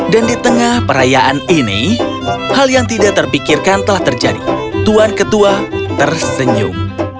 dan di tengah perayaan ini hal yang tidak terpikirkan telah terjadi tuan ketua tersenyum